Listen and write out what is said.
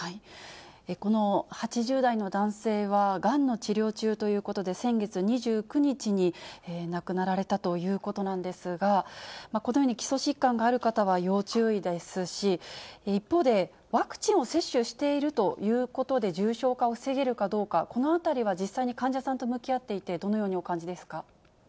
この８０代の男性はがんの治療中ということで、先月２９日に亡くなられたということなんですが、このように基礎疾患がある方は要注意ですし、一方で、ワクチンを接種しているということで重症化を防げるかどうか、このあたりは実際に患者さんと向き合っていて、どのようにお感じ